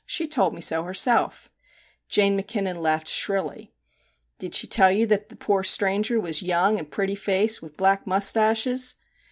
She told me so herself/ Jane Mackinnon laughed shrilly. ' Did she tell you that the poor stranger was young and pretty faced, with black moustarches